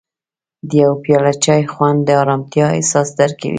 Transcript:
د یو پیاله چای خوند د ارامتیا احساس درکوي.